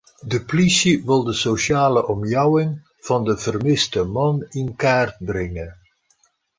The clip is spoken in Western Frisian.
De plysje wol de sosjale omjouwing fan de fermiste man yn kaart bringe.